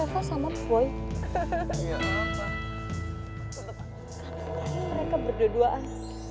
tentu saja mereka berdua duaan